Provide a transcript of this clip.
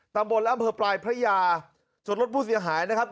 ตามบนรับอาบภัยพระยาจนรถผู้เสียหายนะครับ